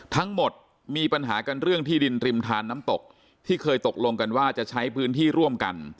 ทั้งหมดมีปัญหากันเรื่องที่ดินริมทานน้ำตกที่เคยตกลงกันว่าจะใช้พื้นที่ร่วมกัน